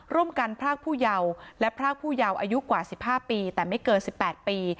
ร่วมกันพรากผู้เยาว์และพรากผู้เยาว์อายุกว่า๑๕ปีแต่ไม่เกิน๑๘ปี